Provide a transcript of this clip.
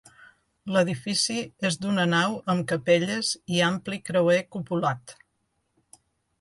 L'edifici és d'una nau amb capelles i ampli creuer cupulat.